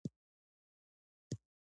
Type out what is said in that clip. اطمینان ښه دی.